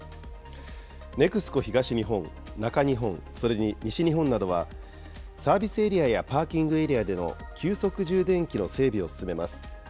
ＮＥＸＣＯ東日本、中日本、それに西日本などは、サービスエリアやパーキングエリアでの急速充電器の整備を進めます。